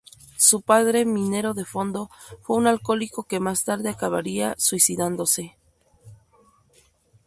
Su padre, minero de fondo, fue un alcohólico que más tarde acabaría suicidándose.